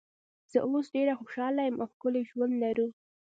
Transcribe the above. زه اوس ډېره خوشاله یم او ښکلی ژوند لرو.